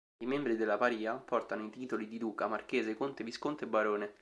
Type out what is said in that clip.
I membri della paria portano i titoli di duca, marchese, conte, visconte e barone.